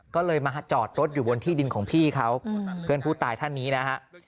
ก็เลยมาจอดรถอยู่บนที่ดินของพี่เขาเพื่อนผู้ตายท่านนี้นะฮะ